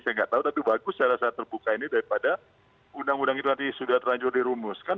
saya tidak tahu tapi bagus saya rasa terbuka ini daripada undang undang itu nanti sudah terlanjur dirumuskan